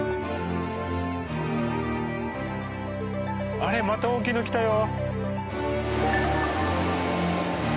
あれまた大きいの来たよ。